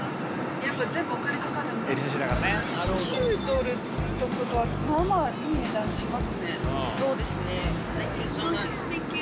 ９ドルってことはまぁまぁいい値段しますね。